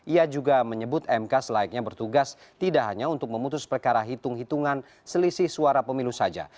ia juga menyebut mk selayaknya bertugas tidak hanya untuk memutus perkara hitung hitungan selisih suara pemilu saja